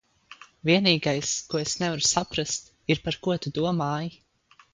Vienīgais, ko es nevaru saprast, ir, par ko tu domāji?